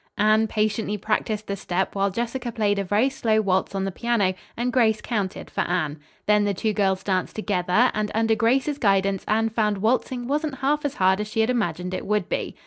Anne patiently practised the step while Jessica played a very slow waltz on the piano and Grace counted for Anne. Then the two girls danced together, and under Grace's guidance Anne found waltzing wasn't half as hard as she had imagined it would be.